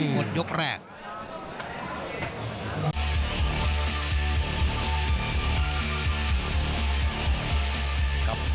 หมดยกแรก